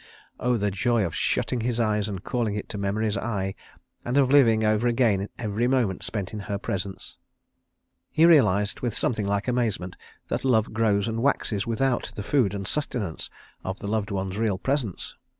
... Oh, the joy of shutting his eyes and calling it to memory's eye, and of living over again every moment spent in her presence! He realised, with something like amazement, that Love grows and waxes without the food and sustenance of the loved one's real presence.